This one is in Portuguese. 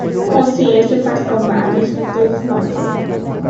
Consciência faz covardes de todos nós